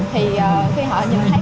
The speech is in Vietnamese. thì khi họ nhìn thấy